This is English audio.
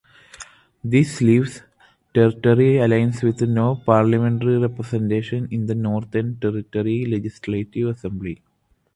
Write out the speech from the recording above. This leaves Territory Alliance with no parliamentary representation in the Northern Territory Legislative Assembly.